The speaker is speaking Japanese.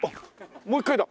もう一回だ！